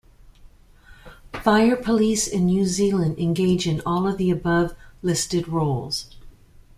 Fire police in New Zealand engage in all of the above listed roles.